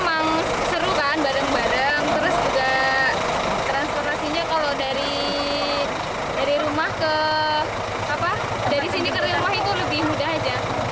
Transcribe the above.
terus juga transportasinya kalau dari rumah ke apa dari sini ke rumah itu lebih mudah aja